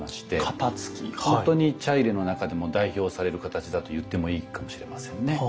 本当に茶入の中でも代表される形だと言ってもいいかもしれませんね。